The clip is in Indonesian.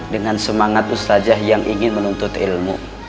dengan semangat ustajah yang ingin menuntut ilmu